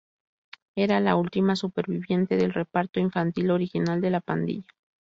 Era la última superviviente del reparto infantil original de "La Pandilla".